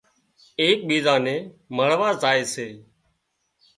ايڪ ٻيزان نين مۯوا زائي سي